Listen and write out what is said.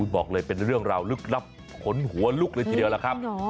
บอกเลยเป็นเรื่องราวลึกลับขนหัวลุกเลยทีเดียวล่ะครับ